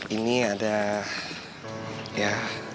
ini ada ya